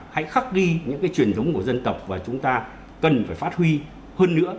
hãy khắc ghi những truyền thống của dân tộc và chúng ta cần phải phát huy hơn nữa